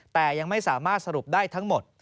แต่ยังไม่สามารถสรุปได้ทั้งหมด